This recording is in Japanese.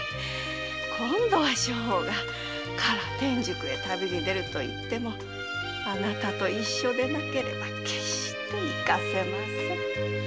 今度は将翁が唐天竺へ旅に出ると言ってもあなたと一緒でなければ決して行かせませぬ。